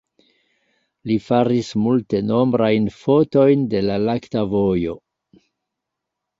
Li faris multenombrajn fotojn de la lakta vojo.